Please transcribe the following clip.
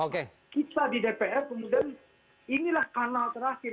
kita di dpr kemudian inilah kanal terakhir